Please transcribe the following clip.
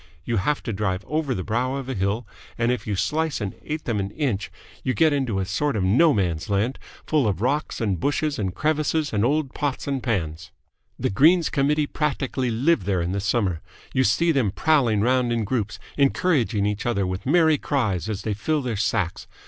You have to drive over the brow of a hill, and if you slice an eighth of an inch you get into a sort of No Man's Land, full of rocks and bushes and crevices and old pots and pans. The Greens Committee practically live there in the summer. You see them prowling round in groups, encouraging each other with merry cries as they fill their sacks.